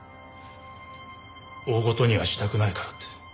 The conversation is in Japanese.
大ごとにはしたくないからって。